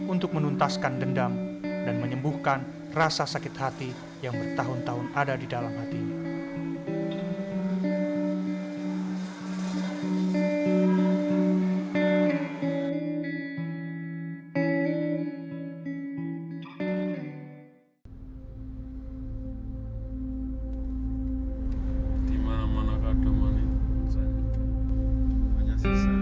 untuk menuntaskan dendam dan menyembuhkan rasa sakit hati yang bertahun tahun ada di dalam hatinya